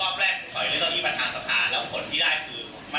แล้วผลที่ได้คือมาติดละสภาทั้งที่ผ่านมา